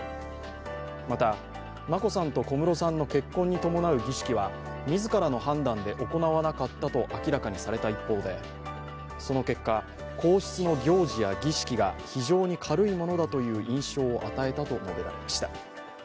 また、眞子さんと小室さんの結婚に伴う儀式は自らの判断で行わなかったと明らかにされた一方で、その結果、皇室の行事や儀式が非常に軽いものだという印象を与えたと述べられました。